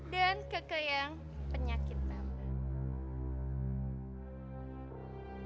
dan kakak yang penyakit tambah